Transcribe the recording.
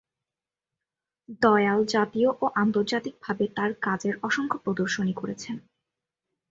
দয়াল জাতীয় ও আন্তর্জাতিকভাবে তাঁর কাজের অসংখ্য প্রদর্শনী করেছেন।